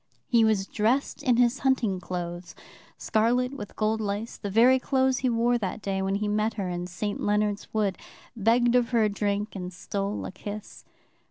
He was dressed in his hunting clothes, scarlet with gold lace, the very clothes he wore that day when he met her in St. Leonard's Wood, begged of her a drink, and stole a kiss.